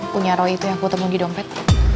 punya roy itu yang aku temuin di dompet